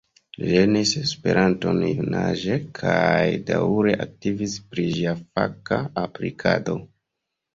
Li lernis Esperanton junaĝe kaj daŭre aktivis pri ĝia faka aplikado.